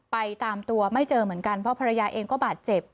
ตามตัวไม่เจอเหมือนกันเพราะภรรยาเองก็บาดเจ็บ